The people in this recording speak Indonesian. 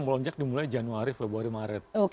melonjak dimulai januari februari maret